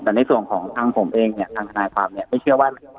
แต่ในส่วนของทางผมเองเนี่ยทางทนายความเนี่ยไม่เชื่อว่า